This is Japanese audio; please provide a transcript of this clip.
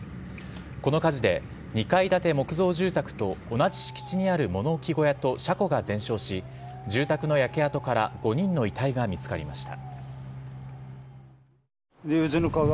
この火事で２階建て木造住宅と同じ敷地にある物置小屋と車庫が全焼し住宅の焼け跡から５人の遺体が見つかりました。